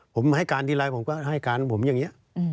ผมให้การทีไรผมก็ให้การผมอย่างนี้